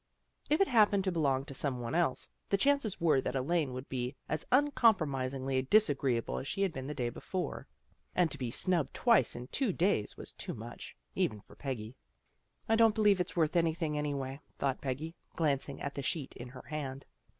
If it happened to belong to someone else, the chances were that Elaine would be as uncompromisingly disagreeable as she had been the day before. And to be snubbed twice in two days was too much, even for Peggy. " I don't believe it's worth anything any way," thought Peggy, glancing at the sheet in her hand.